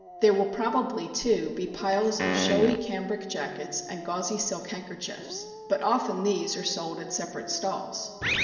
There will probably, too, be piles of showy cambric jackets and gauzy silk handkerchiefs; but often these are sold at separate stalls.